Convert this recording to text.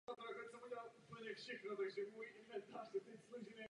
Nedočkavě čekám na formulace některých kompromisů.